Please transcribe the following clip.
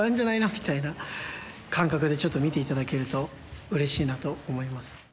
みたいな感覚で、ちょっと見ていただけるとうれしいなと思います。